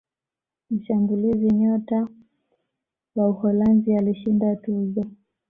mshambulizi nyota wa uholanzi alishinda tuzo